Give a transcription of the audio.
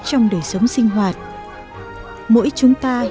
trong đời sống sinh hoạt